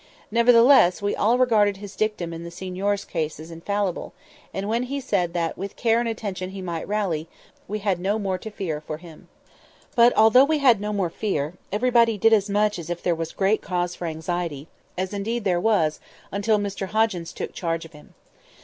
Nevertheless, we all regarded his dictum in the signor's case as infallible, and when he said that with care and attention he might rally, we had no more fear for him. But, although we had no more fear, everybody did as much as if there was great cause for anxiety—as indeed there was until Mr Hoggins took charge of him.